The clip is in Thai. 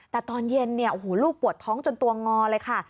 แต่ตอนเย็นเนี่ยโอ้โหลูกปวดท้องจนตัวงอเลยค่ะ